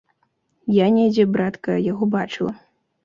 Я недзе, братка, яго бачыла.